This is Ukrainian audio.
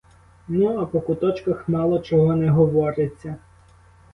Ну, а по куточках мало чого не говориться.